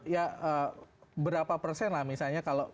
ya berapa persen lah misalnya kalau